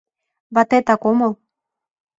Ватетак омыл.